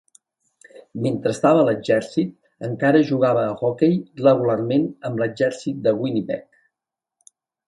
Mentre estava a l'exèrcit, encara jugava a hoquei regularment amb l'exèrcit de Winnipeg.